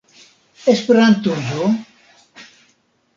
Esperantujo!